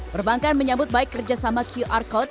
perbankan menyambut baik kerjasama qr code